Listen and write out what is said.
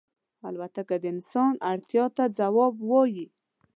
الوتکه د انسان اړتیا ته ځواب وايي.